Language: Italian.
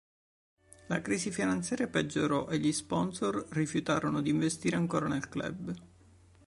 La crisi finanziaria peggiorò e gli sponsor rifiutarono di investire ancora nel club.